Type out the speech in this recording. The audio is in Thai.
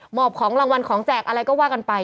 อบของรางวัลของแจกอะไรก็ว่ากันไป